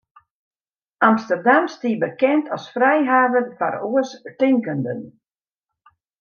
Amsterdam stie bekend as frijhaven foar oarstinkenden.